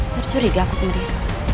tercurigai aku sama dia